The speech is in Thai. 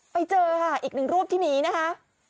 ไปเจอค่ะอีกหนึ่งรูปที่หนีนะคะ